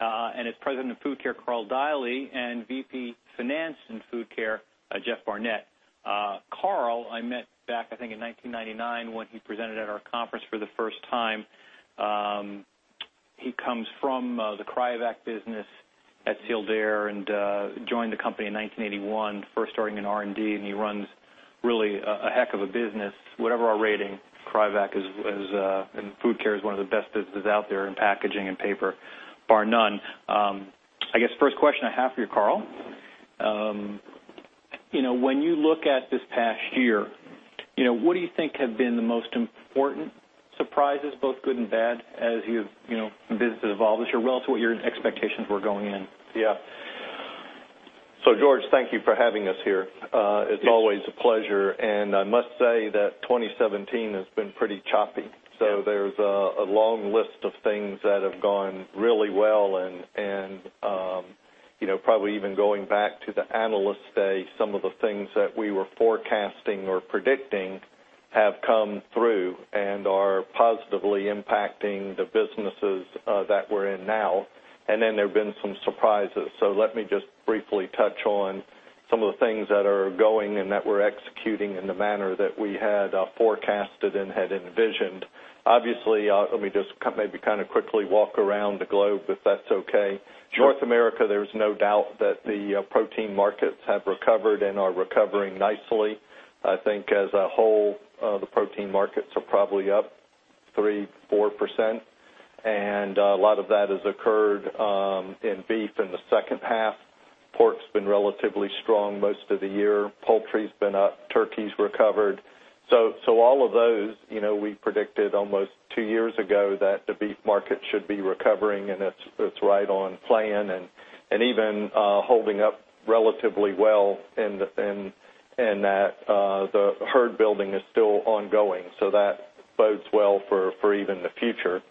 Sealed Air, and its President of Food Care, Karl Deily, and VP Finance in Food Care, Jeff Barnett. Karl, I met back, I think, in 1999, when he presented at our conference for the first time. He comes from the Cryovac business at Sealed Air and joined the company in 1981, first starting in R&D. He runs really a heck of a business. Whatever our rating, Cryovac and Food Care is one of the best businesses out there in packaging and paper, bar none. I guess first question I have for you, Karl, when you look at this past year, what do you think have been the most important surprises, both good and bad, as the business has evolved this year relative to what your expectations were going in? George, thank you for having us here. It's always a pleasure. I must say that 2017 has been pretty choppy. Yeah. There's a long list of things that have gone really well and probably even going back to the Analyst Day, some of the things that we were forecasting or predicting have come through and are positively impacting the businesses that we're in now. There have been some surprises. Let me just briefly touch on some of the things that are going and that we're executing in the manner that we had forecasted and had envisioned. Obviously, let me just maybe quickly walk around the globe, if that's okay. Sure. North America, there's no doubt that the protein markets have recovered and are recovering nicely. I think as a whole, the protein markets are probably up 3%-4%, a lot of that has occurred in beef in the second half. Pork's been relatively strong most of the year. Poultry's been up. Turkey's recovered. All of those, we predicted almost two years ago that the beef market should be recovering, it's right on plan and even holding up relatively well in that the herd building is still ongoing. That bodes well for even the future.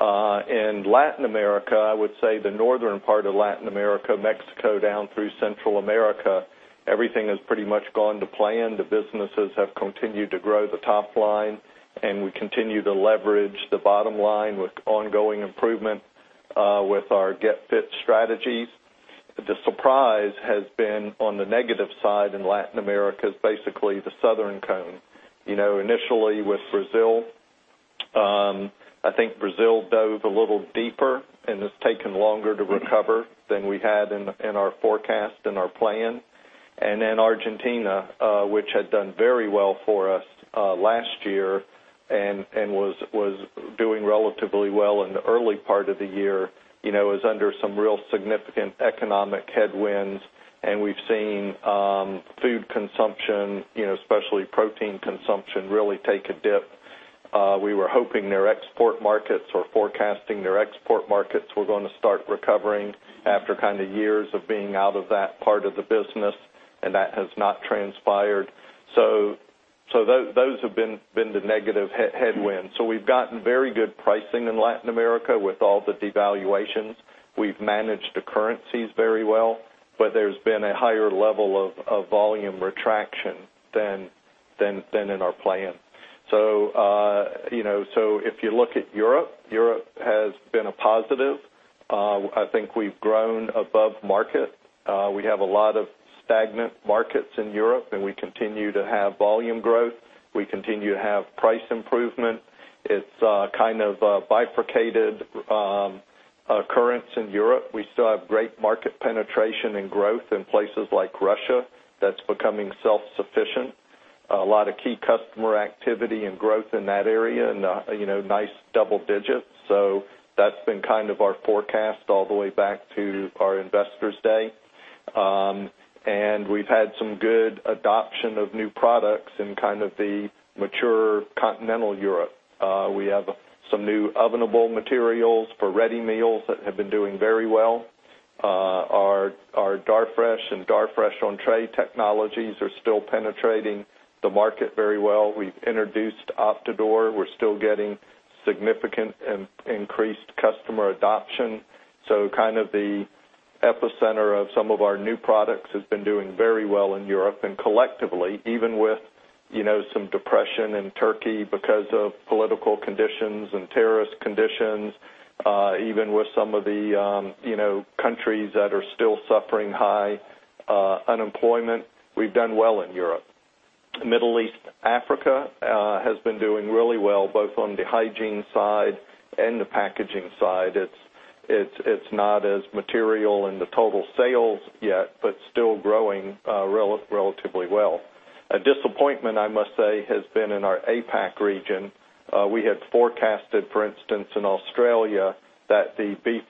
In Latin America, I would say the northern part of Latin America, Mexico down through Central America, everything has pretty much gone to plan. The businesses have continued to grow the top line, we continue to leverage the bottom line with ongoing improvement with our Get Fit strategies. The surprise has been on the negative side in Latin America, basically the Southern Cone. Initially with Brazil, I think Brazil dove a little deeper, and it's taken longer to recover than we had in our forecast, in our plan. Argentina, which had done very well for us last year and was doing relatively well in the early part of the year, is under some real significant economic headwinds, and we've seen food consumption, especially protein consumption, really take a dip. We were hoping their export markets or forecasting their export markets were going to start recovering after years of being out of that part of the business, and that has not transpired. Those have been the negative headwinds. We've gotten very good pricing in Latin America with all the devaluations. We've managed the currencies very well, There's been a higher level of volume retraction than in our plan. If you look at Europe has been a positive. I think we've grown above market. We have a lot of stagnant markets in Europe, and we continue to have volume growth. We continue to have price improvement. It's kind of a bifurcated occurrence in Europe. We still have great market penetration and growth in places like Russia that's becoming self-sufficient. A lot of key customer activity and growth in that area, and nice double digits. That's been kind of our forecast all the way back to our Investor Day. We've had some good adoption of new products in kind of the mature continental Europe. We have some new ovenable materials for ready meals that have been doing very well. Our Darfresh and Darfresh on Tray technologies are still penetrating the market very well. We've introduced OptiDure. We're still getting significant increased customer adoption. Kind of the epicenter of some of our new products has been doing very well in Europe. Collectively, even with some depression in Turkey because of political conditions and terrorist conditions, even with some of the countries that are still suffering high unemployment, we've done well in Europe. Middle East, Africa has been doing really well, both on the hygiene side and the packaging side. It's not as material in the total sales yet, but still growing relatively well. A disappointment, I must say, has been in our APAC region. We had forecasted, for instance, in Australia, that the beef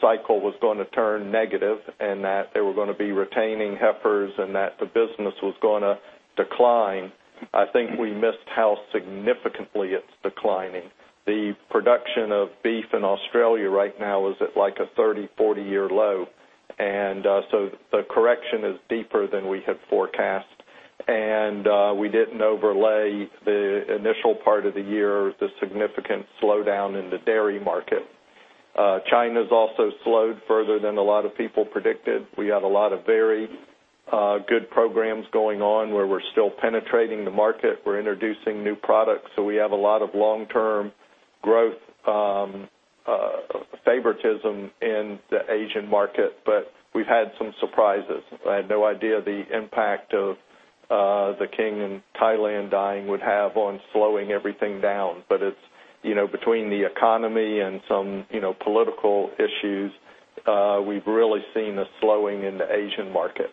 cycle was going to turn negative and that they were going to be retaining heifers and that the business was going to decline. I think we missed how significantly it's declining. The production of beef in Australia right now is at, like, a 30, 40-year low, The correction is deeper than we had forecast. We didn't overlay the initial part of the year, the significant slowdown in the dairy market. China's also slowed further than a lot of people predicted. We had a lot of very good programs going on where we're still penetrating the market. We're introducing new products, We have a lot of long-term growth favoritism in the Asian market. We've had some surprises. I had no idea the impact of the king in Thailand dying would have on slowing everything down. Between the economy and some political issues, we've really seen a slowing in the Asian market.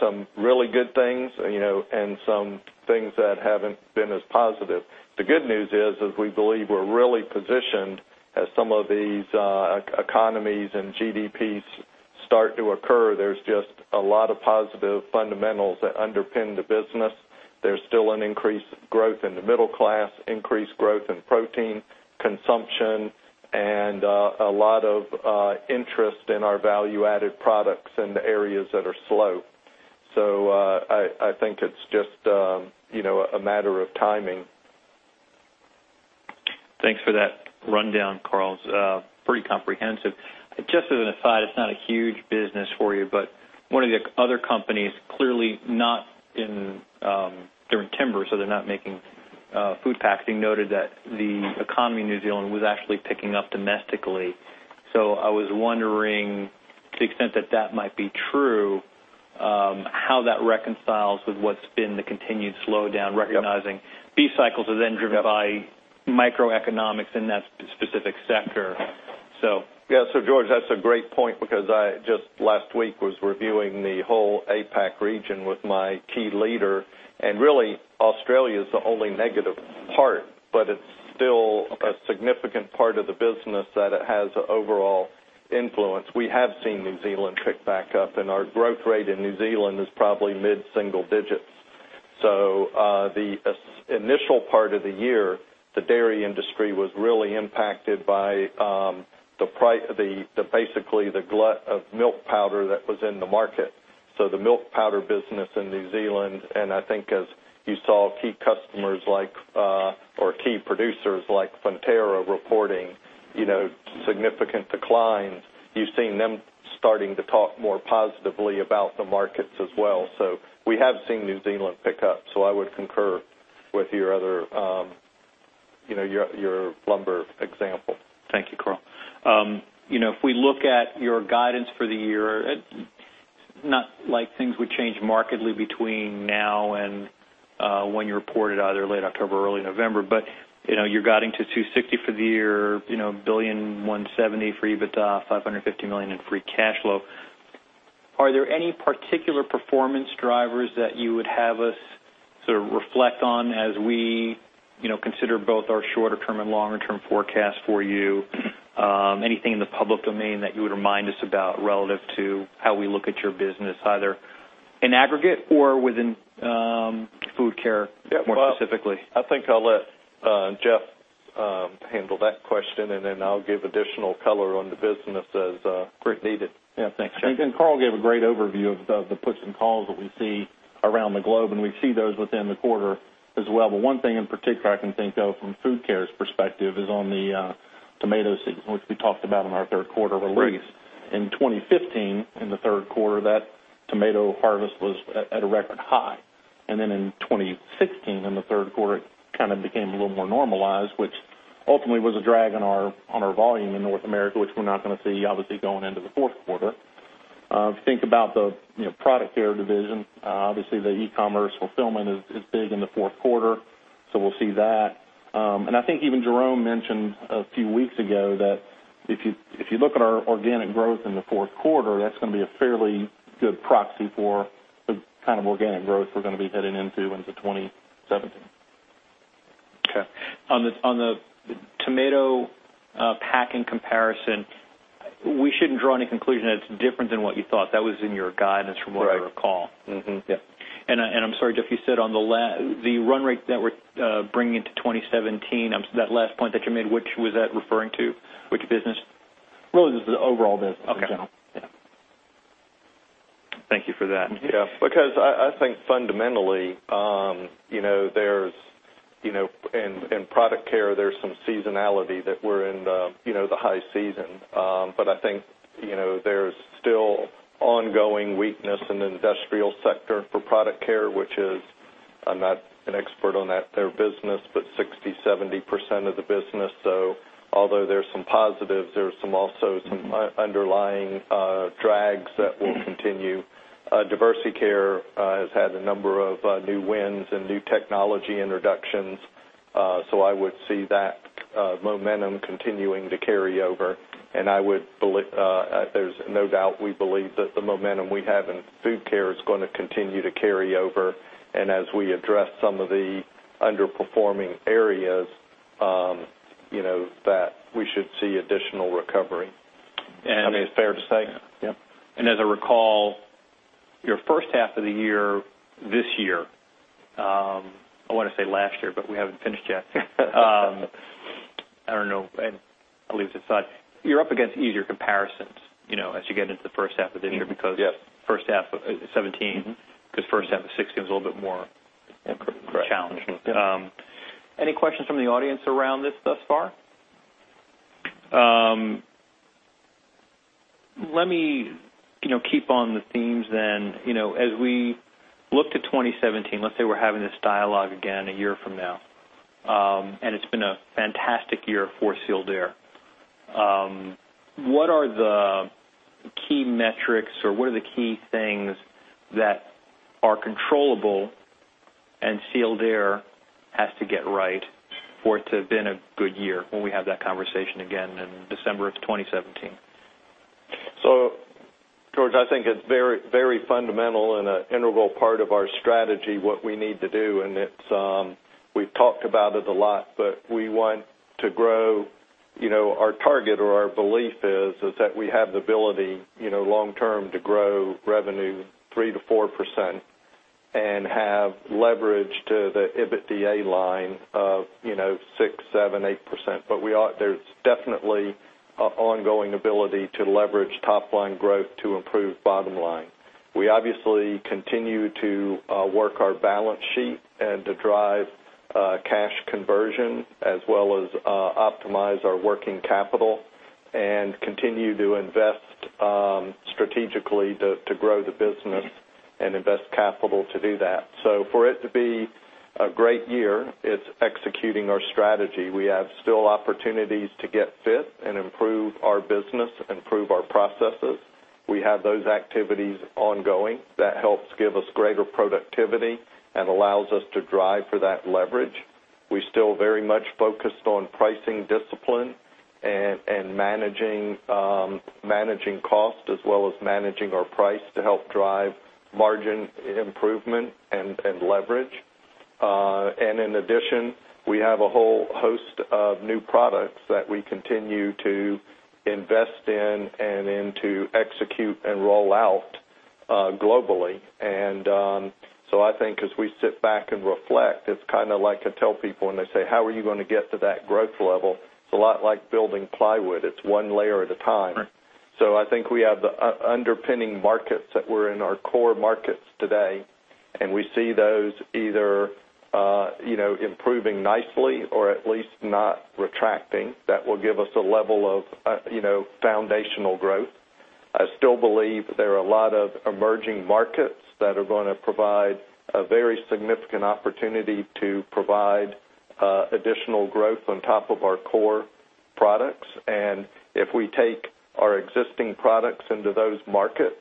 Some really good things, and some things that haven't been as positive. The good news is we believe we're really positioned as some of these economies and GDPs start to occur. There's just a lot of positive fundamentals that underpin the business. There's still an increased growth in the middle class, increased growth in protein consumption, and a lot of interest in our value-added products in the areas that are slow. I think it's just a matter of timing. Thanks for that rundown, Karl. It's pretty comprehensive. Just as an aside, it's not a huge business for you, but one of the other companies, they're in timber, so they're not making food packaging, noted that the economy in New Zealand was actually picking up domestically. I was wondering, to the extent that that might be true, how that reconciles with what's been the continued slowdown, recognizing these cycles are then driven by microeconomics in that specific sector. George, that's a great point because I just last week was reviewing the whole APAC region with my key leader, and really, Australia's the only negative part, but it's still a significant part of the business that it has overall influence. We have seen New Zealand pick back up, and our growth rate in New Zealand is probably mid-single digits. The initial part of the year, the dairy industry was really impacted by basically the glut of milk powder that was in the market. The milk powder business in New Zealand, and I think as you saw key customers like, or key producers like Fonterra reporting significant declines, you've seen them starting to talk more positively about the markets as well. We have seen New Zealand pick up. I would concur with your lumber example. Thank you, Karl. If we look at your guidance for the year, it's not like things would change markedly between now and when you reported, either late October or early November. You're guiding to $260 for the year, $1.17 billion for EBITDA, $550 million in free cash flow. Are there any particular performance drivers that you would have us sort of reflect on as we consider both our shorter-term and longer-term forecast for you? Anything in the public domain that you would remind us about relative to how we look at your business, either in aggregate or within Food Care more specifically? I think I'll let Jeff handle that question, then I'll give additional color on the business as needed. Yeah, thanks, Jeff. Karl gave a great overview of the puts and calls that we see around the globe, and we see those within the quarter as well. One thing in particular I can think of from Food Care's perspective is on the tomato season, which we talked about in our third quarter release. In 2015, in the third quarter, that tomato harvest was at a record high. Then in 2016, in the third quarter, it kind of became a little more normalized, which ultimately was a drag on our volume in North America, which we're not going to see, obviously, going into the fourth quarter. If you think about the Product Care division, obviously the e-commerce fulfillment is big in the fourth quarter, we'll see that. I think even Jerome mentioned a few weeks ago that if you look at our organic growth in the fourth quarter, that's going to be a fairly good proxy for the kind of organic growth we're going to be heading into into 2017. Okay. On the tomato packing comparison, we shouldn't draw any conclusion that it's different than what you thought. That was in your guidance from what I recall. Right. Yeah. I'm sorry, Jeff, you said on the run rate that we're bringing into 2017, that last point that you made, which was that referring to? Which business? Really, this is the overall business in general. Okay. Yeah. Thank you for that. I think fundamentally, in Product Care, there's some seasonality that we're in the high season. I think there's still ongoing weakness in the industrial sector for Product Care, which is, I'm not an expert on their business, but 60%-70% of the business. Although there's some positives, there's also some underlying drags that will continue. Diversey Care has had a number of new wins and new technology introductions. I would see that momentum continuing to carry over, and there's no doubt we believe that the momentum we have in Food Care is going to continue to carry over. As we address some of the underperforming areas, that we should see additional recovery. I mean, it's fair to say. As I recall, your first half of the year this year. I want to say last year, but we haven't finished yet. I don't know. I'll leave it aside. You're up against easier comparisons as you get into the first half of this year because first half of 2017, because first half of 2016 was a little bit more challenging. Correct. Any questions from the audience around this thus far? Let me keep on the themes then. As we look to 2017, let's say we're having this dialogue again a year from now, and it's been a fantastic year for Sealed Air. What are the key metrics or what are the key things that are controllable and Sealed Air has to get right for it to have been a good year when we have that conversation again in December of 2017? George, I think it's very fundamental and an integral part of our strategy, what we need to do, and we've talked about it a lot, but we want to grow. Our target or our belief is that we have the ability, long-term, to grow revenue 3%-4% and have leverage to the EBITDA line of 6%, 7%, 8%. There's definitely an ongoing ability to leverage top-line growth to improve bottom line. We obviously continue to work our balance sheet and to drive cash conversion, as well as optimize our working capital and continue to invest strategically to grow the business and invest capital to do that. For it to be a great year, it's executing our strategy. We have still opportunities to Get Fit and improve our business, improve our processes. We have those activities ongoing. That helps give us greater productivity and allows us to drive for that leverage. We're still very much focused on pricing discipline and managing cost as well as managing our price to help drive margin improvement and leverage. In addition, we have a whole host of new products that we continue to invest in and then to execute and roll out globally. I think as we sit back and reflect, it's like I tell people when they say, "How are you going to get to that growth level?" It's a lot like building plywood. It's one layer at a time. Right. I think we have the underpinning markets that we're in, our core markets today, and we see those either improving nicely or at least not retracting. That will give us a level of foundational growth. I still believe there are a lot of emerging markets that are going to provide a very significant opportunity to provide additional growth on top of our core products. If we take our existing products into those markets,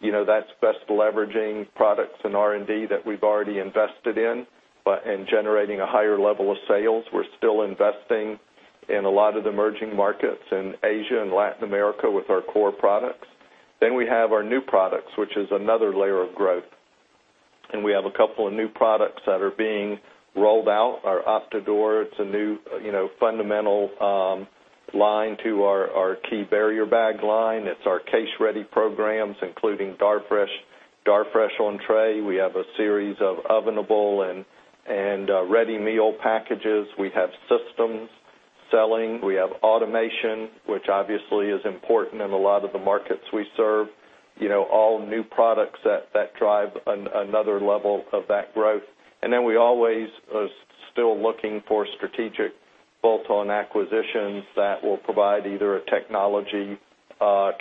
that's best leveraging products and R&D that we've already invested in, and generating a higher level of sales. We're still investing in a lot of the emerging markets in Asia and Latin America with our core products. We have our new products, which is another layer of growth. We have a couple of new products that are being rolled out. Our OptiDure, it's a new fundamental line to our key barrier bag line. It's our case-ready programs, including Darfresh on Tray. We have a series of ovenable and ready meal packages. We have systems selling. We have automation, which obviously is important in a lot of the markets we serve. All new products that drive another level of that growth. We always are still looking for strategic bolt-on acquisitions that will provide either a technology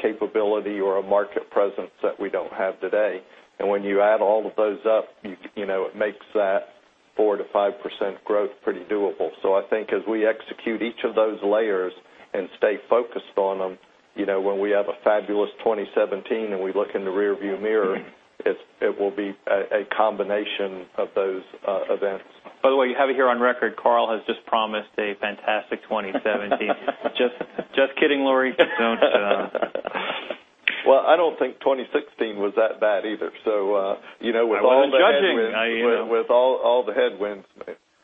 capability or a market presence that we don't have today. When you add all of those up, it makes that 4%-5% growth pretty doable. I think as we execute each of those layers and stay focused on them, when we have a fabulous 2017 and we look in the rear view mirror, it will be a combination of those events. By the way, you have it here on record, Karl has just promised a fantastic 2017. Just kidding, Lori. Well, I don't think 2016 was that bad either. with all the headwinds- I wasn't judging. With all the headwinds.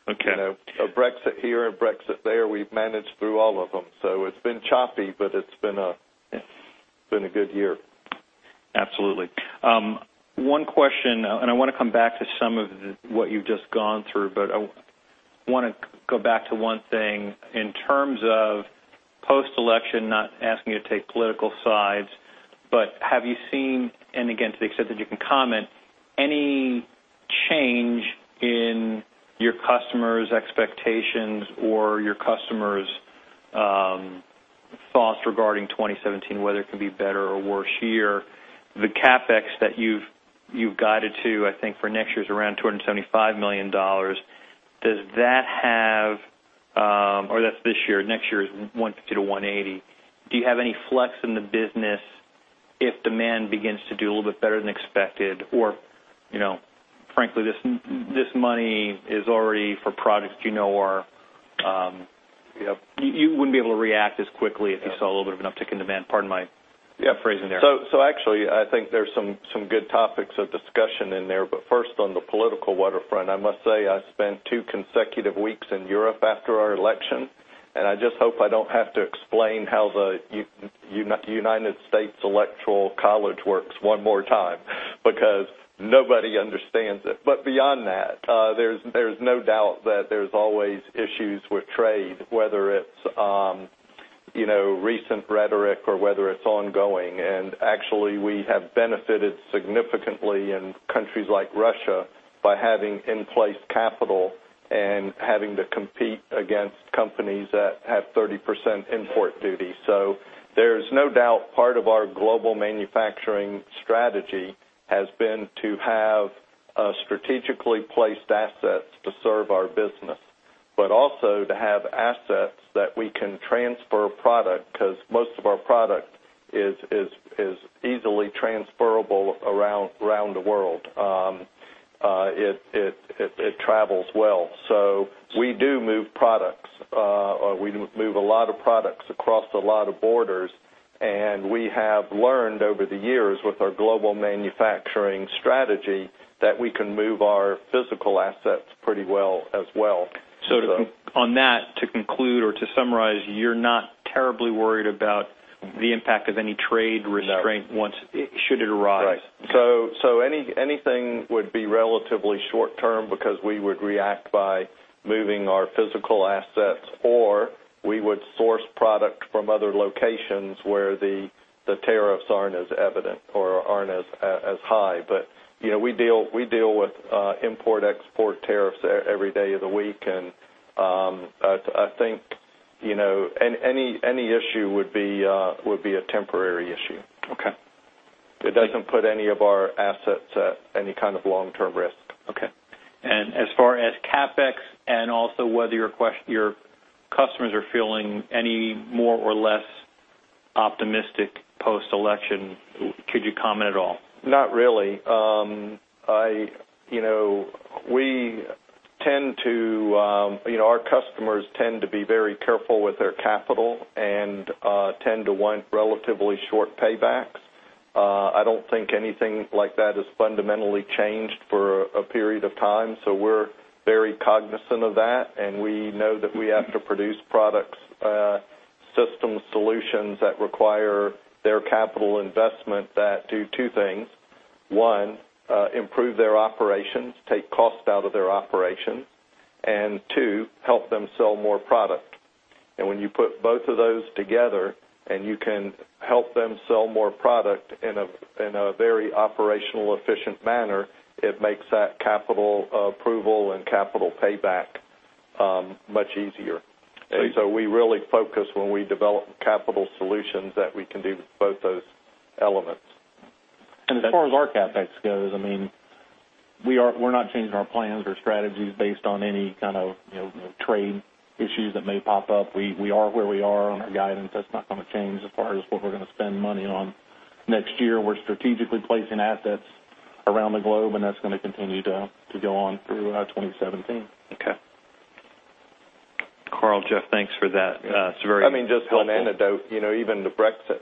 Okay. A Brexit here and Brexit there, we've managed through all of them. It's been choppy, but it's been a good year. Absolutely. One question, I want to come back to some of what you've just gone through, I want to go back to one thing. In terms of post-election, not asking you to take political sides, have you seen, and again, to the extent that you can comment, any change in your customers' expectations or your customers' thoughts regarding 2017, whether it can be a better or worse year? The CapEx that you've guided to, I think for next year is around $275 million. Does that have-- or that's this year. Next year is $150 million-$180 million. Do you have any flex in the business if demand begins to do a little bit better than expected? Or frankly, this money is already for products you know. You wouldn't be able to react as quickly if you saw a little bit of an uptick in demand. Pardon my phrasing there. Actually, I think there's some good topics of discussion in there. First, on the political waterfront, I must say, I spent two consecutive weeks in Europe after our election, I just hope I don't have to explain how the United States Electoral College works one more time, because nobody understands it. Beyond that, there's no doubt that there's always issues with trade, whether it's recent rhetoric or whether it's ongoing. Actually, we have benefited significantly in countries like Russia by having in-place capital and having to compete against companies that have 30% import duty. There's no doubt part of our global manufacturing strategy has been to have strategically placed assets to serve our business, but also to have assets that we can transfer product, because most of our product is easily transferable around the world. It travels well. We do move products. We move a lot of products across a lot of borders, and we have learned over the years with our global manufacturing strategy that we can move our physical assets pretty well as well. On that, to conclude or to summarize, you're not terribly worried about the impact of any trade restraint. No. Should it arise. Right. Anything would be relatively short-term because we would react by moving our physical assets, or we would source product from other locations where the tariffs aren't as evident or aren't as high. We deal with import-export tariffs every day of the week, and I think any issue would be a temporary issue. Okay. It doesn't put any of our assets at any kind of long-term risk. Okay. As far as CapEx and also whether your customers are feeling any more or less optimistic post-election, could you comment at all? Not really. Our customers tend to be very careful with their capital and tend to want relatively short paybacks. I don't think anything like that has fundamentally changed for a period of time, so we're very cognizant of that, and we know that we have to produce products, systems, solutions that require their capital investment that do two things. One, improve their operations, take cost out of their operations. Two, help them sell more product. When you put both of those together and you can help them sell more product in a very operational efficient manner, it makes that capital approval and capital payback much easier. Great. We really focus when we develop capital solutions that we can do both those elements. As far as our CapEx goes, we're not changing our plans or strategies based on any kind of trade issues that may pop up. We are where we are on our guidance. That's not going to change as far as what we're going to spend money on next year. We're strategically placing assets around the globe, and that's going to continue to go on through our 2017. Okay. Karl, Jeff, thanks for that. It's very helpful. Just an anecdote. Even the Brexit,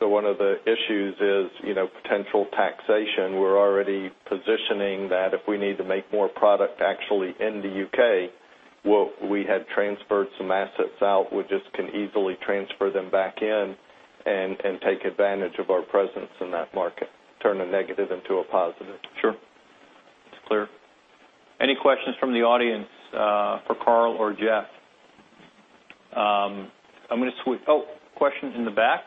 one of the issues is potential taxation. We're already positioning that if we need to make more product actually in the U.K., we had transferred some assets out. We just can easily transfer them back in and take advantage of our presence in that market. Turn a negative into a positive. Sure. It's clear. Any questions from the audience for Karl or Jeff? Questions in the back?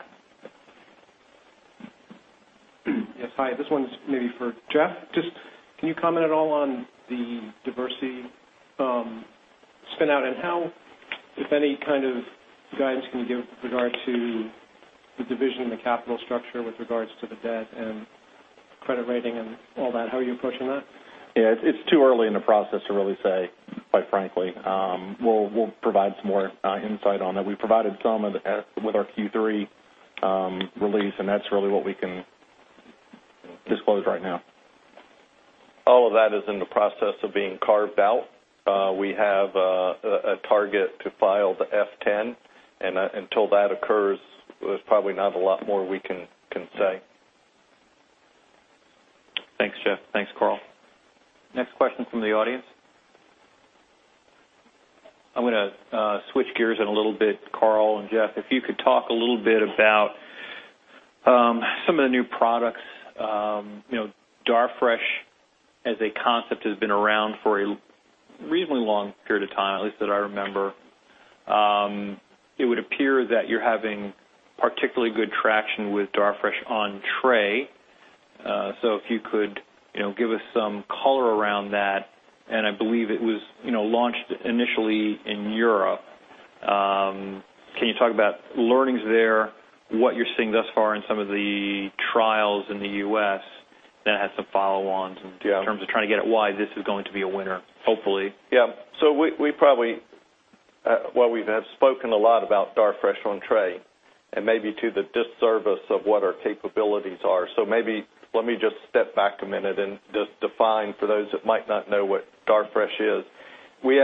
Yes. Hi, this one's maybe for Jeff. Just can you comment at all on the Diversey spin out and if any kind of guidance can you give with regard to the division and the capital structure with regards to the debt and credit rating and all that, how are you approaching that? Yeah. It's too early in the process to really say, quite frankly. We'll provide some more insight on that. We provided some with our Q3 release, that's really what we can disclose right now. All of that is in the process of being carved out. We have a target to file the F10, Until that occurs, there's probably not a lot more we can say. Thanks, Jeff. Thanks, Karl. Next question from the audience. I'm going to switch gears in a little bit. Karl and Jeff, if you could talk a little bit about some of the new products. Darfresh as a concept has been around for a reasonably long period of time, at least that I remember. It would appear that you're having particularly good traction with Darfresh On Tray. If you could give us some color around that, and I believe it was launched initially in Europe. Can you talk about learnings there, what you're seeing thus far in some of the trials in the U.S. that had some follow-ons in terms of trying to get at why this is going to be a winner, hopefully. Yeah. We've had spoken a lot about Darfresh on Tray and maybe to the disservice of what our capabilities are. Maybe let me just step back a minute and just define for those that might not know what Darfresh is. We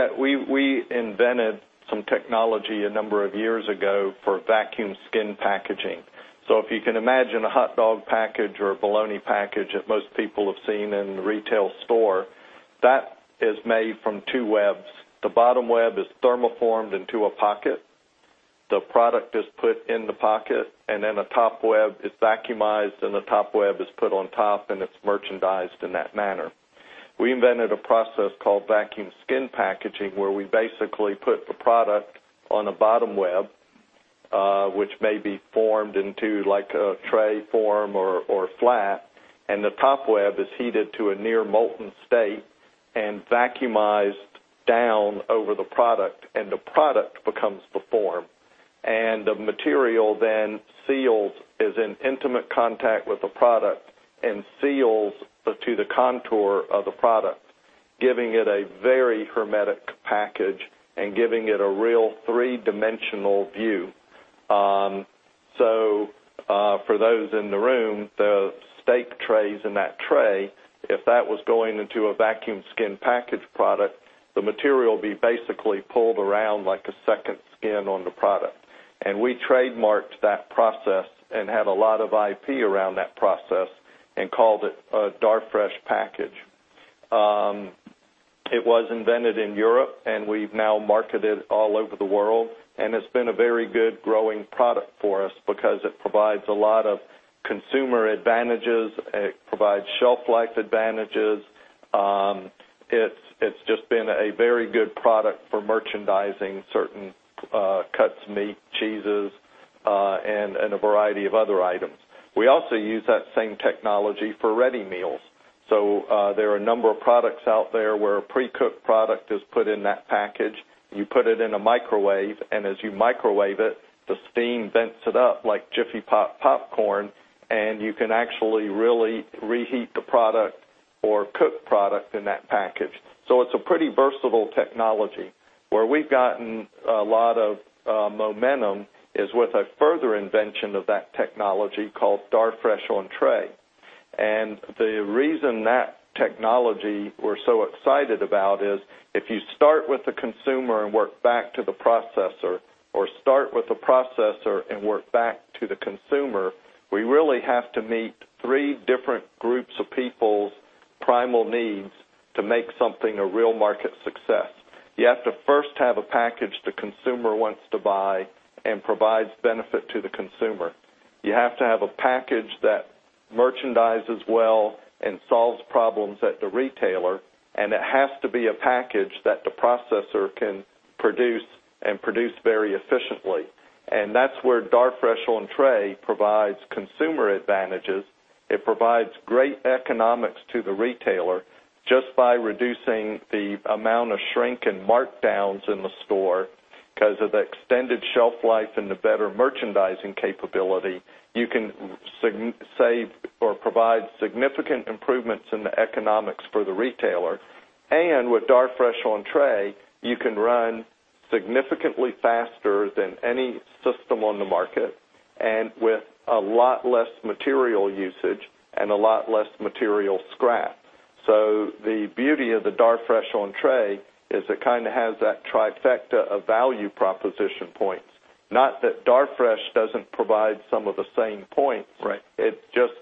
invented some technology a number of years ago for vacuum skin packaging. If you can imagine a hot dog package or a bologna package that most people have seen in the retail store. That is made from two webs. The bottom web is thermoformed into a pocket. The product is put in the pocket, and then a top web is vacuumized, and the top web is put on top, and it's merchandised in that manner. We invented a process called vacuum skin packaging, where we basically put the product on a bottom web, which may be formed into a tray form or flat. The top web is heated to a near molten state and vacuumized down over the product, and the product becomes the form. The material then seals, is in intimate contact with the product, and seals to the contour of the product, giving it a very hermetic package and giving it a real three-dimensional view. For those in the room, the steak trays in that tray, if that was going into a vacuum skin package product, the material would be basically pulled around like a second skin on the product. We trademarked that process and had a lot of IP around that process and called it a Darfresh package. It was invented in Europe, and we've now marketed all over the world. It's been a very good growing product for us because it provides a lot of consumer advantages. It provides shelf life advantages. It's just been a very good product for merchandising certain cuts of meat, cheeses, and a variety of other items. We also use that same technology for ready meals. There are a number of products out there where a pre-cooked product is put in that package. You put it in a microwave, and as you microwave it, the steam vents it up like Jiffy Pop popcorn, and you can actually really reheat the product or cook product in that package. It's a pretty versatile technology. Where we've gotten a lot of momentum is with a further invention of that technology called Darfresh on Tray. The reason that technology we're so excited about is if you start with the consumer and work back to the processor or start with the processor and work back to the consumer, we really have to meet three different groups of people's primal needs to make something a real market success. You have to first have a package the consumer wants to buy and provides benefit to the consumer. You have to have a package that merchandises well and solves problems at the retailer, and it has to be a package that the processor can produce and produce very efficiently. That's where Darfresh on Tray provides consumer advantages. It provides great economics to the retailer just by reducing the amount of shrink and markdowns in the store because of the extended shelf life and the better merchandising capability. You can save or provide significant improvements in the economics for the retailer. With Darfresh on Tray, you can run significantly faster than any system on the market and with a lot less material usage and a lot less material scrap. The beauty of the Darfresh on Tray is it has that trifecta of value proposition points. Not that Darfresh doesn't provide some of the same points. Right. It's just,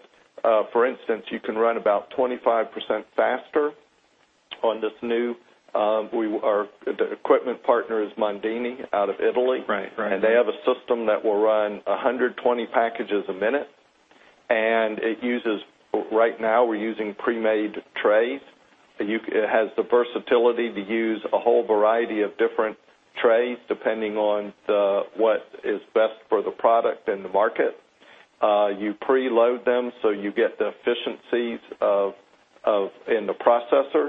for instance, you can run about 25% faster on this. Our equipment partner is Mondini out of Italy. Right. They have a system that will run 120 packages a minute, and right now we're using pre-made trays. It has the versatility to use a whole variety of different trays depending on what is best for the product and the market. You preload them so you get the efficiencies in the processor,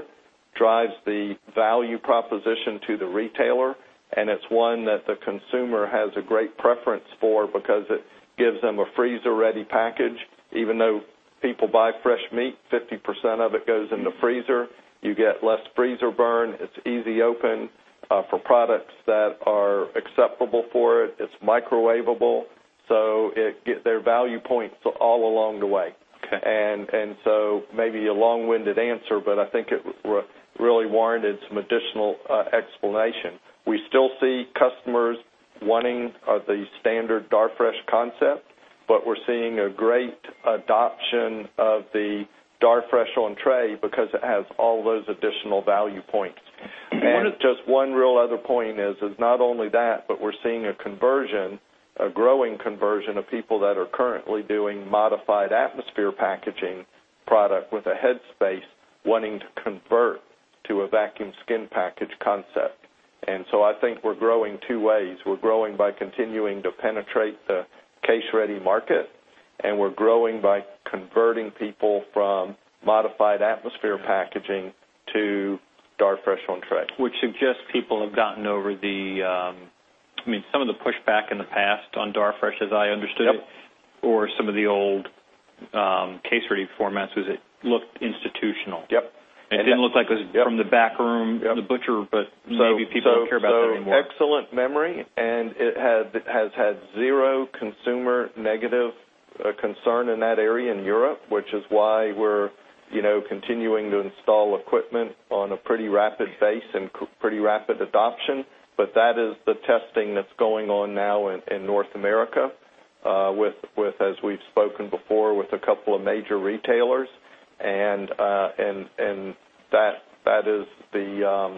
drives the value proposition to the retailer, and it's one that the consumer has a great preference for because it gives them a freezer-ready package. Even though people buy fresh meat, 50% of it goes in the freezer. You get less freezer burn. It's easy open. For products that are acceptable for it's microwaveable, so there are value points all along the way. Okay. Maybe a long-winded answer, but I think it really warranted some additional explanation. We still see customers wanting the standard Darfresh concept, but we're seeing a great adoption of the Darfresh on Tray because it has all those additional value points. If you would. Just one real other point is not only that, but we're seeing a conversion, a growing conversion of people that are currently doing modified atmosphere packaging product with a headspace wanting to convert to a vacuum skin package concept. I think we're growing two ways. We're growing by continuing to penetrate the case-ready market, and we're growing by converting people from modified atmosphere packaging to Darfresh on Tray. Which suggests people have gotten over some of the pushback in the past on Darfresh, as I understood it. Yep Some of the old case-ready formats was it looked institutional. Yep. It didn't look like it was from the back room, the butcher, but maybe people don't care about that anymore. Excellent memory, and it has had zero consumer negative concern in that area in Europe, which is why we're continuing to install equipment on a pretty rapid pace and pretty rapid adoption. That is the testing that's going on now in North America, as we've spoken before, with a couple of major retailers. That is the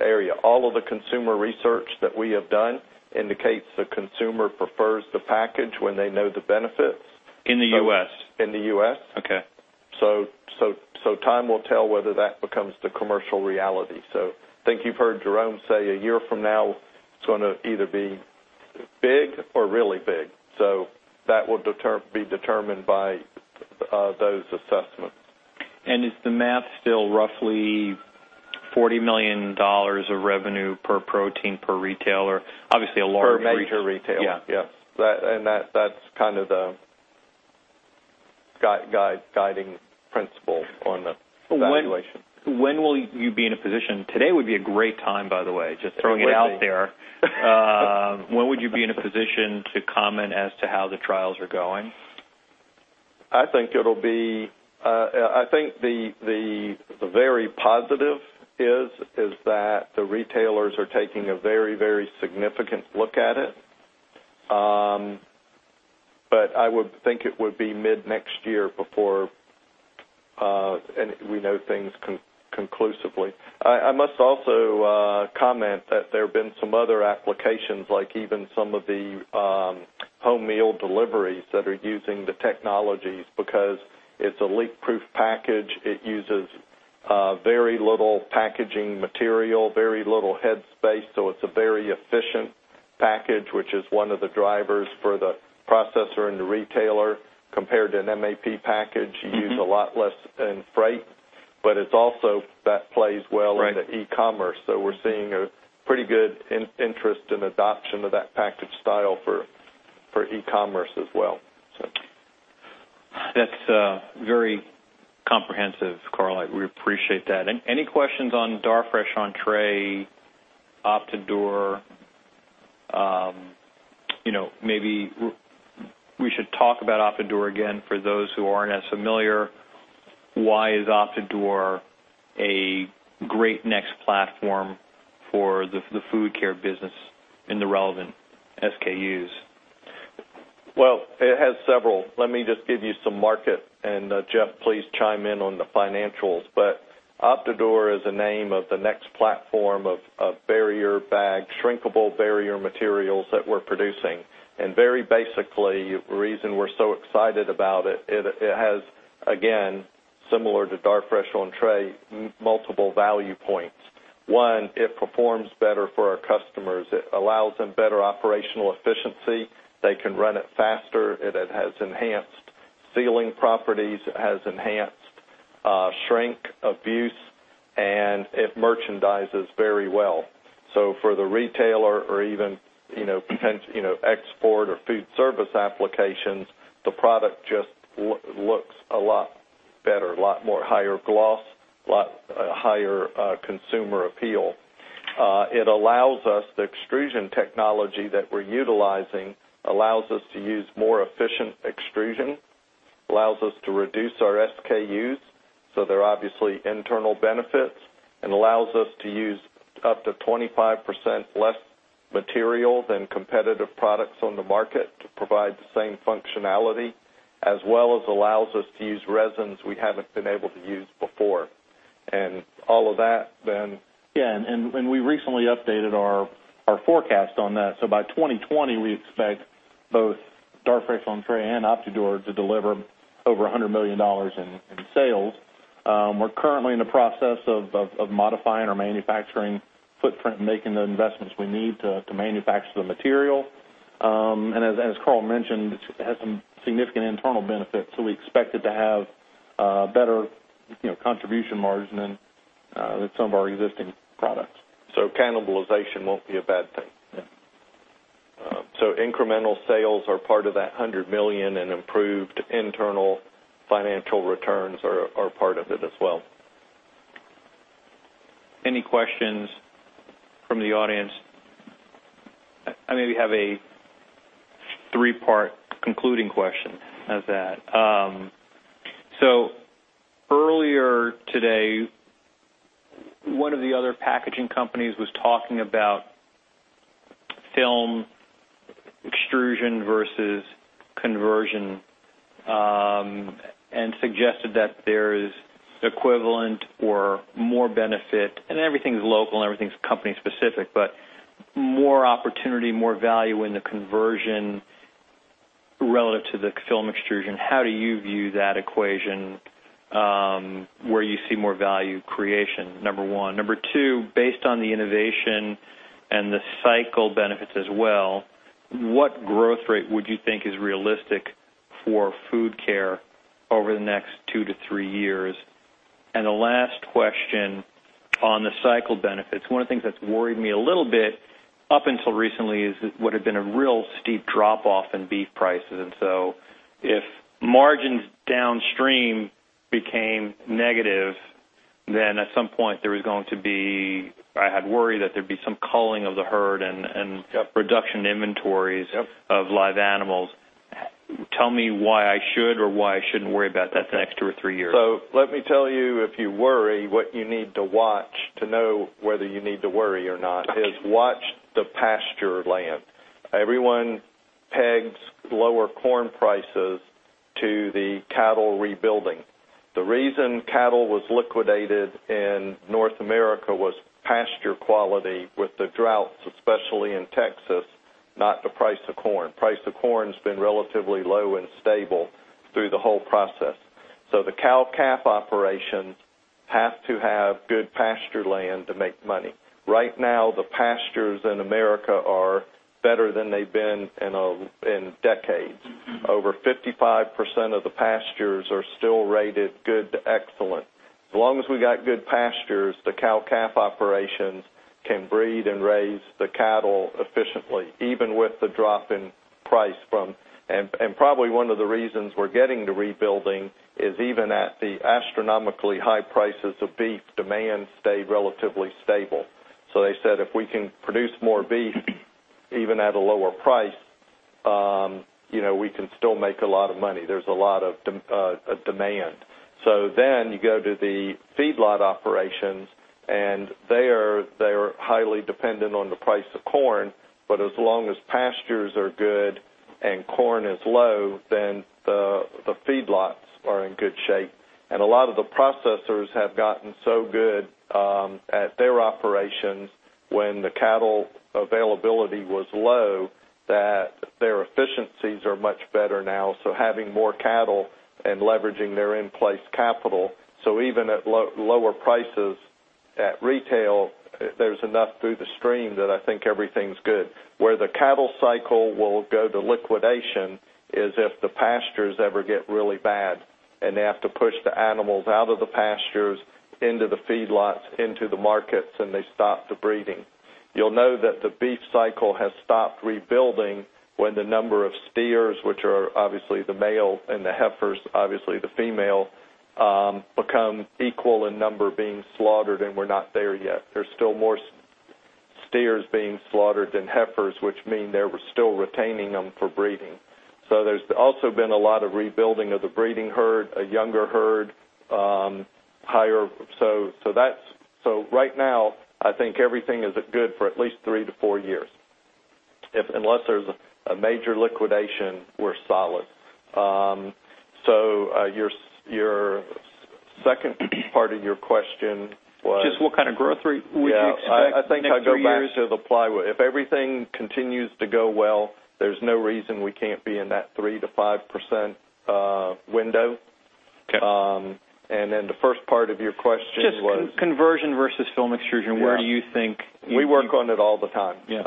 area. All of the consumer research that we have done indicates the consumer prefers the package when they know the benefits. In the U.S.? In the U.S. Okay. Time will tell whether that becomes the commercial reality. I think you've heard Jerome say a year from now, it's going to either be big or really big. That will be determined by those assessments. Is the math still roughly $40 million of revenue per protein, per retailer? Per major retailer. Yeah. Yes. That's the guiding principle on the evaluation. When will you be in a position? Today would be a great time, by the way, just throwing it out there. When would you be in a position to comment as to how the trials are going? I think the very positive is that the retailers are taking a very, very significant look at it. I would think it would be mid-next year before we know things conclusively. I must also comment that there have been some other applications, like even some of the home meal deliveries that are using the technologies because it's a leak-proof package. It uses very little packaging material, very little head space, so it's a very efficient package, which is one of the drivers for the processor and the retailer. Compared to an MAP package, you use a lot less in freight, but it's also that plays well- Right in the e-commerce. We're seeing a pretty good interest in adoption of that package style for e-commerce as well. That's very comprehensive, Karl. We appreciate that. Any questions on Darfresh on Tray, OptiDure? Maybe we should talk about OptiDure again, for those who aren't as familiar. Why is OptiDure a great next platform for the Food Care business in the relevant SKUs? Well, it has several. Let me just give you some market, and Jeff, please chime in on the financials. OptiDure is the name of the next platform of shrinkable barrier materials that we're producing. Very basically, the reason we're so excited about it has, again, similar to Darfresh on Tray, multiple value points. One, it performs better for our customers. It allows them better operational efficiency. They can run it faster. It has enhanced sealing properties. It has enhanced shrink abuse, and it merchandises very well. For the retailer or even export or food service applications, the product just looks a lot better, a lot more higher gloss, a lot higher consumer appeal. The extrusion technology that we're utilizing allows us to use more efficient extrusion, allows us to reduce our SKUs, there are obviously internal benefits, and allows us to use up to 25% less material than competitive products on the market to provide the same functionality as well as allows us to use resins we haven't been able to use before. All of that, then Yeah, we recently updated our forecast on that. By 2020, we expect both Darfresh on Tray and OptiDure to deliver over $100 million in sales. We're currently in the process of modifying our manufacturing footprint and making the investments we need to manufacture the material. As Karl mentioned, it has some significant internal benefits. We expect it to have a better contribution margin than some of our existing products. Cannibalization won't be a bad thing. Yeah. incremental sales are part of that $100 million and improved internal financial returns are part of it as well. Any questions from the audience? I maybe have a three-part concluding question of that. Earlier today, one of the other packaging companies was talking about film extrusion versus conversion, and suggested that there's equivalent or more benefit, and everything's local and everything's company specific, but more opportunity, more value in the conversion relative to the film extrusion. How do you view that equation? Where you see more value creation, number one. Number two, based on the innovation and the cycle benefits as well, what growth rate would you think is realistic for Food Care over the next two to three years? The last question on the cycle benefits. One of the things that's worried me a little bit up until recently is what had been a real steep drop-off in beef prices. If margins downstream became negative, then at some point I had worried that there'd be some culling of the herd. Yep reduction inventories. Yep of live animals. Tell me why I should or why I shouldn't worry about that the next two or three years. Let me tell you, if you worry, what you need to watch to know whether you need to worry or not is watch the pasture land. Everyone pegs lower corn prices to the cattle rebuilding. The reason cattle was liquidated in North America was pasture quality with the droughts, especially in Texas, not the price of corn. Price of corn has been relatively low and stable through the whole process. The cow-calf operations have to have good pasture land to make money. Right now, the pastures in America are better than they've been in decades. Over 55% of the pastures are still rated good to excellent. As long as we got good pastures, the cow-calf operations can breed and raise the cattle efficiently, even with the drop in price. Probably one of the reasons we're getting to rebuilding is even at the astronomically high prices of beef, demand stayed relatively stable. They said, "If we can produce more beef, even at a lower price, we can still make a lot of money." There's a lot of demand. You go to the feedlot operations, and they are highly dependent on the price of corn. As long as pastures are good and corn is low, then the feedlots are in good shape. A lot of the processors have gotten so good at their operations when the cattle availability was low, that their efficiencies are much better now. Having more cattle and leveraging their in-place capital. Even at lower prices at retail, there's enough through the stream that I think everything's good. Where the cattle cycle will go to liquidation is if the pastures ever get really bad and they have to push the animals out of the pastures, into the feedlots, into the markets, and they stop the breeding. You'll know that the beef cycle has stopped rebuilding when the number of steers, which are obviously the male, and the heifers, obviously the female, become equal in number being slaughtered, and we're not there yet. There's still more steers being slaughtered than heifers, which mean they were still retaining them for breeding. There's also been a lot of rebuilding of the breeding herd, a younger herd. Right now, I think everything is good for at least 3-4 years. Unless there's a major liquidation, we're solid. Your second part of your question was? Just what kind of growth rate would you expect next three years? I think I go back to the plywood. If everything continues to go well, there's no reason we can't be in that 3%-5% window. Okay. The first part of your question was? Just conversion versus film extrusion. Yeah. Where do you think? We work on it all the time. Yeah.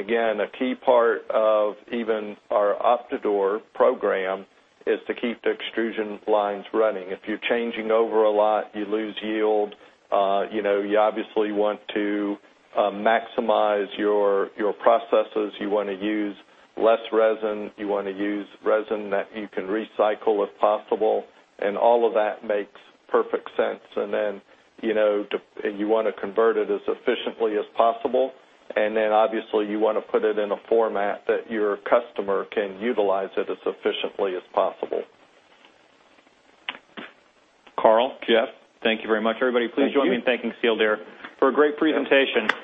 Again, a key part of even our OptiDure program is to keep the extrusion lines running. If you're changing over a lot, you lose yield. You obviously want to maximize your processes. You want to use less resin. You want to use resin that you can recycle if possible. All of that makes perfect sense. Then, you want to convert it as efficiently as possible. Then obviously, you want to put it in a format that your customer can utilize it as efficiently as possible. Karl? Yeah. Jeff, thank you very much. Everybody, please join me in thanking Sealed Air for a great presentation.